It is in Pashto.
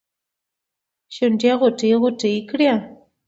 شونډې غوټې ، غوټې کړي